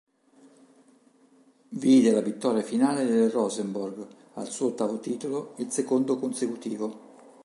Vide la vittoria finale del Rosenborg, al suo ottavo titolo, il secondo consecutivo.